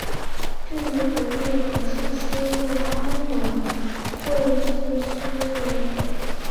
至于国际核数师为安永会计师事务所。